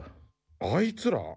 あいつら？